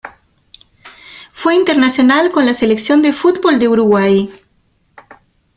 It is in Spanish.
Fue internacional con la Selección de fútbol de Uruguay.